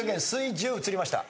１０移りました。